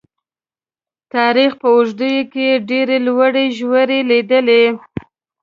تاریخ په اوږدو کې یې ډېرې لوړې ژورې لیدلي.